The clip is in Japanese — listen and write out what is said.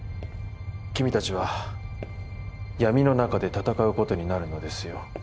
君たちは闇の中で戦うことになるのですよ。